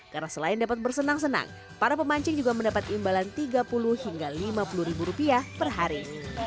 karena selain dapat bersenang senang para pemancing juga mendapat imbalan tiga puluh hingga lima puluh ribu rupiah per hari